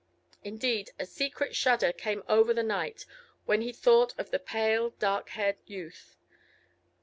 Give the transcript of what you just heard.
Indeed, a secret shudder came over the knight when he thought on the pale, dark haired youth.